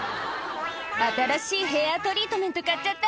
「新しいヘアトリートメント買っちゃった」